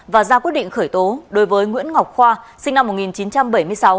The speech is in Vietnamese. và ra quyết định khởi tố đối với nguyễn ngọc khoa sinh năm một nghìn chín trăm bảy mươi sáu